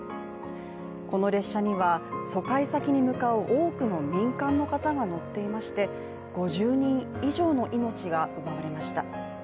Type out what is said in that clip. この列車には疎開先に向かう多くの民間の方が乗っていまして５０人以上の命が奪われました。